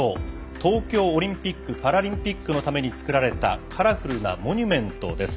東京オリンピック・パラリンピックのために作られたカラフルなモニュメントです。